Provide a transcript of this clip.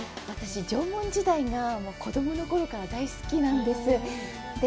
私、縄文時代が子供のころから大好きなんです。